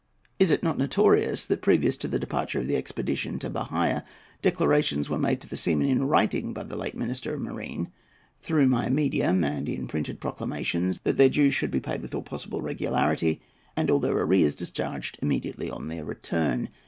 Is it not notorious that previous to the departure of the expedition to Bahia, declarations were made to the seamen in writing by the late Minister of Marine, through my medium, and in printed proclamations, that their dues should be paid with all possible regularity, and all their arrears discharged immediately on their return?